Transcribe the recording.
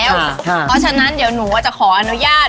เพราะฉะนั้นเดี๋ยวหนูจะขออนุญาต